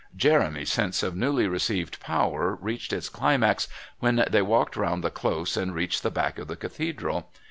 Jeremy's sense of newly received power reached its climax when they walked round the Close and reached the back of the Cathedral.